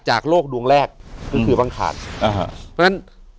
จากโลกดวงแรกซึ่งคือวังคารเพราะฉะนั้น